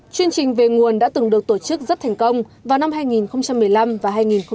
chương trình về nguồn đã từng được tổ chức rất thành công vào năm hai nghìn một mươi năm và hai nghìn một mươi tám